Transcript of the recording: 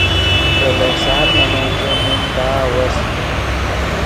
ترے لوہ سال ملن ژے من تا وس